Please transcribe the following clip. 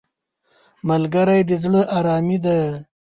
ملګری د زړه آرامي دی